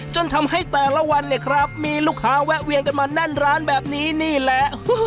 จนทำให้แต่ละวันเนี่ยครับมีลูกค้าแวะเวียนกันมาแน่นร้านแบบนี้นี่แหละ